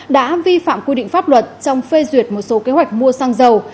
đã vi phạm quy định pháp luật trong phê duyệt một số kế hoạch mua xăng dầu